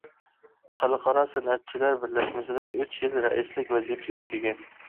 خەلقئارا سەنئەتچىلەر بىرلەشمىسىدە ئۈچ يىل رەئىسلىك ۋەزىپىسى ئۆتىگەن.